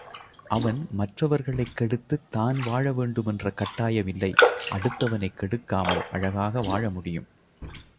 அவன் மற்றவர்களைக் கெடுத்துத் தான் வாழ வேண்டும் என்ற கட்டாயம் இல்லை அடுத்தவனைக் கெடுக்காமல் அழகாக வாழ முடியும்.